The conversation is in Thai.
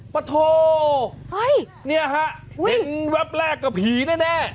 ปะโทเนี่ยฮะเห็นแวบแรกกับผีแน่